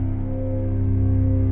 kamu berdoa aja g